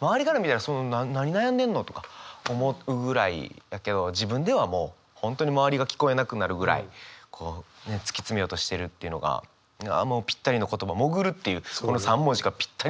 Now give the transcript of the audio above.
周りから見たら何悩んでんの？とか思うぐらいやけど自分ではもう本当に周りが聞こえなくなるぐらいこうね突き詰めようとしているっていうのがもうぴったりの言葉「潜る」っていうこの３文字がぴったりの言葉やなと思いましたね。